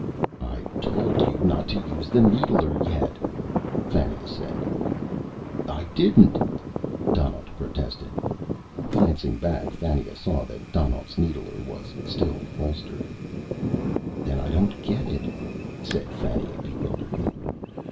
"I told you not to use the needler yet!" Fannia said. "I didn't," Donnaught protested. Glancing back, Fannia saw that Donnaught's needler was still holstered. "Then I don't get it," said Fannia bewilderedly.